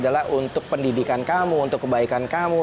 adalah untuk pendidikan kamu untuk kebaikan kamu